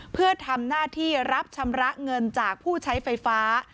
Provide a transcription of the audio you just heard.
เพื่อทำหน้าที่รับชำระเงินจากผู้ใช้ไฟฟ้า